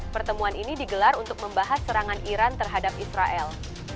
pertemuan ini digelar untuk membahas serangan iran terhadap israel